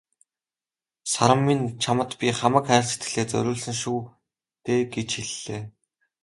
"Саран минь чамд би хамаг хайр сэтгэлээ зориулсан шүү дээ" гэж хэллээ.